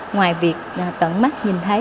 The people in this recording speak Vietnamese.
ngoài việc tận mắt nhìn thấy